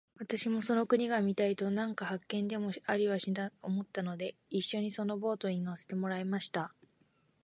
私もその国が見たいのと、何か発見でもありはしないかと思ったので、一しょにそのボートに乗せてもらいました。